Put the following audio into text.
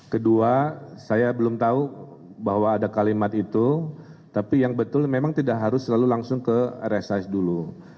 kedua saya belum tahu bahwa ada kalimat itu tapi yang betul memang tidak harus selalu langsung ke rsh dulu